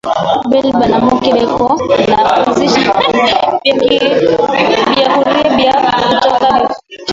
Bale banamuke beko na uzisha biakuria bia kutoka ku mashamba